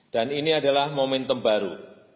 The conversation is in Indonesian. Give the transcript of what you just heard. dan ini adalah momentum baru